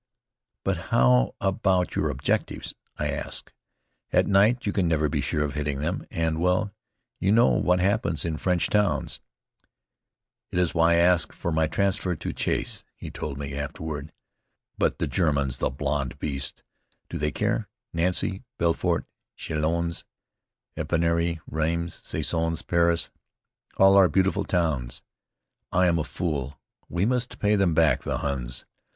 "But how about your objectives?" I asked. "At night you can never be sure of hitting them, and, well, you know what happens in French towns." "It is why I asked for my transfer to chasse," he told me afterward. "But the Germans, the blond beasts! Do they care? Nancy, Belfort, Châlons, Epernay, Rheims, Soissons, Paris, all our beautiful towns! I am a fool! We must pay them back, the Huns!